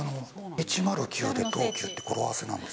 １０９で東急って語呂合わせなんです。